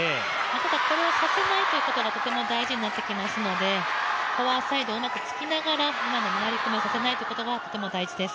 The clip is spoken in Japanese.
これをさせないということがとても大事になってきますのでフォアサイドをうまく突きながら回り込みをさせないことが大切です。